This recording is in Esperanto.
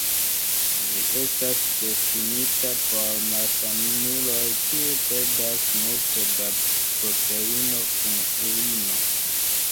Ĝi estas destinita por malsanuloj kiuj perdas multe da proteino kun urino.